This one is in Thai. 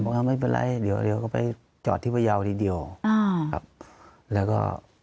ไม่เป็นไรเดี๋ยวเดี๋ยวก็ไปจอดที่พยาวทีเดียวอ่าครับแล้วก็